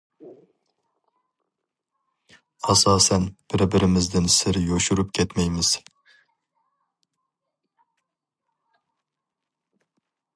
ئاساسەن بىر- بىرىمىزدىن سىر يوشۇرۇپ كەتمەيمىز.